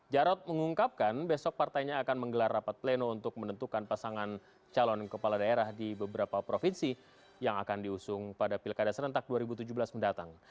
jarod mengungkapkan besok partainya akan menggelar rapat pleno untuk menentukan pasangan calon kepala daerah di beberapa provinsi yang akan diusung pada pilkada serentak dua ribu tujuh belas mendatang